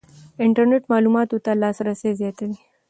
انټرنېټ معلوماتو ته لاسرسی زیاتوي.